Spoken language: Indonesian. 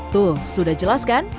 tuh sudah jelas kan